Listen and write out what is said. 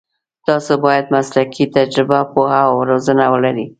تاسو باید مسلکي تجربه، پوهه او روزنه ولرئ.